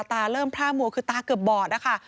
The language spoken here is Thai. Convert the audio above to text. ตาเริ่มพร่ามัวคือตาเกือบบอดนะคะ